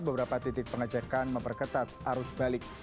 beberapa titik pengecekan memperketat arus balik